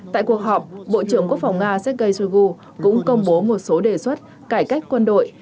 tại cuộc họp bộ trưởng quốc phòng nga sergei shoigu cũng công bố một số đề xuất cải cách quân đội